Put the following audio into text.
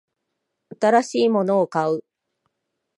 新しいものを買う